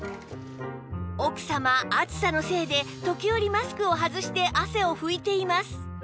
奥様暑さのせいで時折マスクを外して汗を拭いています